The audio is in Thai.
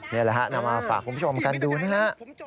นี่แหละฮะนำมาฝากคุณผู้ชมกันดูนี่ฮะ